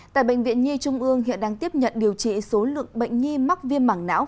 tại bệnh viện nhi trung ương hiện đang tiếp nhận điều trị số lượng bệnh nhi mắc viêm mảng não